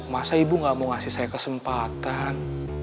masa ibu gak mau ngasih saya kesempatan